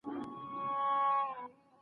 چي په خوله وایم جانان بس رقیب هم را په زړه سي